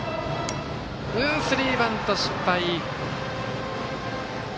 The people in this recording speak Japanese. スリーバント失敗。